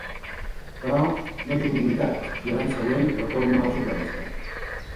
Però, no té continuïtat, i a l'any següent retorna a la suplència.